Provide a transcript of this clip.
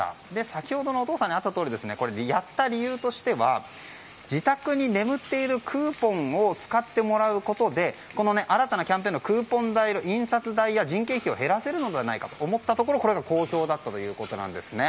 先ほどのお父さんにあったとおりこれをやった理由としては自宅に眠っているクーポンを使ってもらうことで新たなキャンペーンの印刷代や人件費を減らせるのではないかと思ったところこれが好評だったということなんですね。